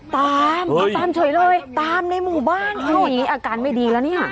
ตามตามเฉยเลยตามในหมู่บ้านโอ้โหอย่างนี้อาการไม่ดีแล้วเนี่ย